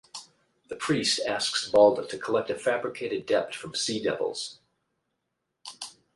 The Priest asks Balda to collect a fabricated debt from sea devils.